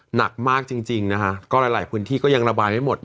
หนักมากจริงนะคะก็หลายพื้นที่ก็ยังระบายไม่หมด